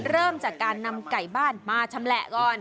เริ่มจากการนำไก่บ้านมาชำแหละก่อน